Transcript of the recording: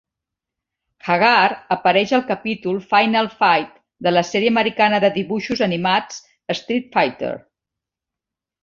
Haggar apareix al capítol "Final Fight" de la sèrie americana de dibuixos animats "Street Fighter".